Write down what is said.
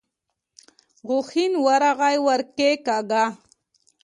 غوښين ورغوی يې ور کېکاږه.